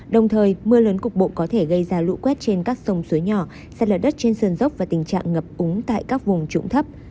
đồng thời mưa lớn cục bộ có thể gây ra lũ quét trên các sông suối nhỏ sạt lở đất trên sơn dốc và tình trạng ngập úng tại các vùng trụng thấp